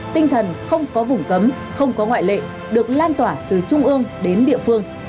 tinh thần không có vùng cấm không có ngoại lệ được lan tỏa từ trung ương đến địa phương